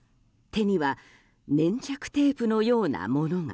手には粘着テープのようなものが。